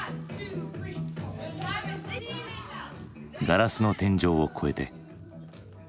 ガラスの天井を越えて。